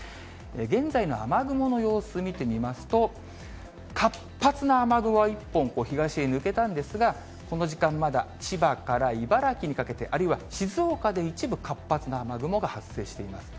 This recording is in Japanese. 現在の雨雲の様子見てみますと、活発な雨雲は一本、東に抜けたんですが、この時間、まだ千葉から茨城にかけて、あるいは静岡で一部、活発な雨雲が発生しています。